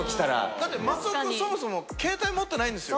だって松尾くんそもそもケータイ持ってないんですよ。